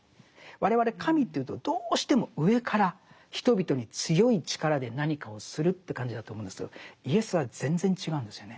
我々神というとどうしても上から人々に強い力で何かをするという感じだと思うんですけどイエスは全然違うんですよね。